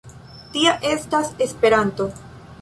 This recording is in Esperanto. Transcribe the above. Tia estas Esperanto.